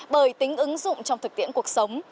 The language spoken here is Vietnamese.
bởi tính ứng dụng trong thực tiễn cuộc sống